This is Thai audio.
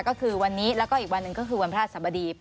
ก็คือวันนี้แล้วก็อีกวันหนึ่งก็คือวันพระราชสมดี